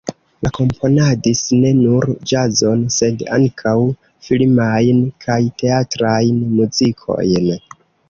Li komponadis ne nur ĵazon, sed ankaŭ filmajn kaj teatrajn muzikojn.